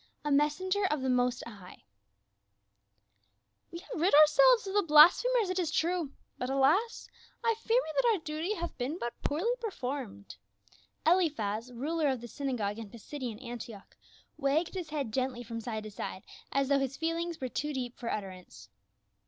A MESSENGER OF THE MOST HIGH. " "\^7'E have rid ourselves of the blasphemers it is V T true, but alas ! I fear me that our duty hath been but poorly performed." Eliphaz, ruler of the synagogue in Pisidian Antioch, wagged his head gently from side to side as though his feelings were too deep for utterance.